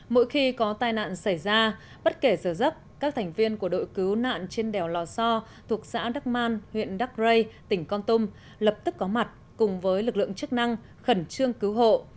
mỗi khi có tai nạn xảy ra bất kể giờ giấc các thành viên của đội cứu nạn trên đèo lò so thuộc xã đắc man huyện đắc rây tỉnh con tum lập tức có mặt cùng với lực lượng chức năng khẩn trương cứu hộ